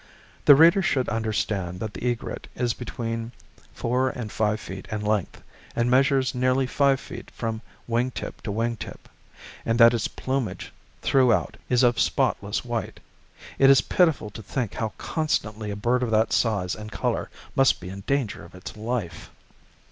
The reader should understand that this egret is between four and five feet in length, and measures nearly five feet from wing tip to wing tip, and that its plumage throughout is of spotless white. It is pitiful to think how constantly a bird of that size and color must be in danger of its life.